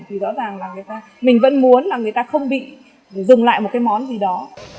thì rõ ràng là người ta mình vẫn muốn là người ta không bị dừng lại một cái món gì đó